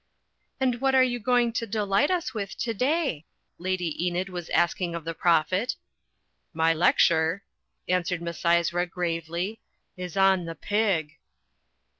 "And what are you going to delight us with today?" Lady Enid was asking of the Prophet. "My lecture," answered Misysra, gravely, "is on the Pig."